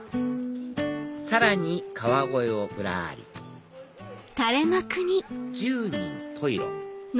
さらに川越をぶらり「十人十色」